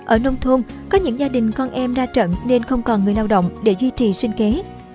ở nông thôn có những gia đình con em ra trận nên không còn người lao động để duy trì sinh kế